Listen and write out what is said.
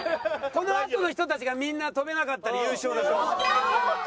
このあとの人たちがみんな跳べなかったら優勝だから。